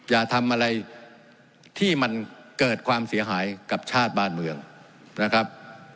อย่าทำอะไรที่มันเกิดความเสียหายกับชาติบ้านเมืองนะครับ